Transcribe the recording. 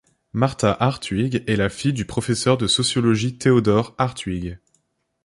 Marta Hartwig est la fille du professeur de sociologie Theodor Hartwig.